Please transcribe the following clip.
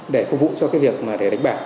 để phục vụ cho việc đánh bạc